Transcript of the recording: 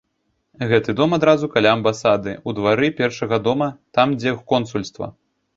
Гэты дом адразу каля амбасады, у двары першага дома, там, дзе консульства.